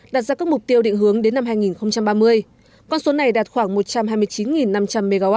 đặt ra các mục tiêu định hướng đến năm hai nghìn ba mươi con số này đạt khoảng một trăm hai mươi chín năm trăm linh mw